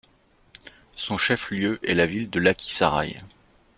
Son chef-lieu est la ville de Lakhisarai.